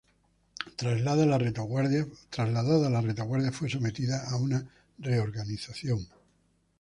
Trasladada a la retaguardia, fue sometida a una reorganización.